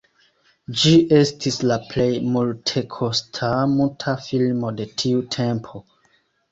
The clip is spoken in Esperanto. Ĝi estis la plej multekosta muta filmo de tiu tempo.